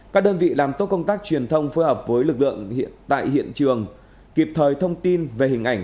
các đơn vị làm tốt công tác truyền thông phối hợp với lực lượng tại hiện trường kịp thời thông tin về hình ảnh